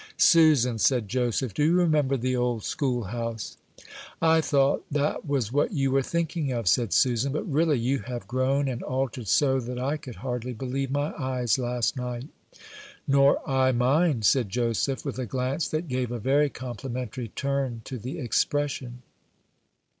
"Susan," said Joseph, "do you remember the old school house?" "I thought that was what you were thinking of," said Susan; "but, really, you have grown and altered so that I could hardly believe my eyes last night." "Nor I mine," said Joseph, with a glance that gave a very complimentary turn to the expression.